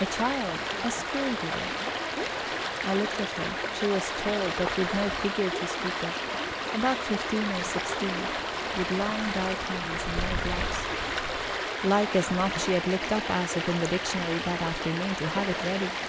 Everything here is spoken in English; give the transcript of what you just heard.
A child, a schoolgirl. I looked at her she was tall, but with no figure to speak of, about fifteen or sixteen, with long, dark hands and no gloves. Like as not she had looked up Æsop in the dictionary that afternoon, to have it ready.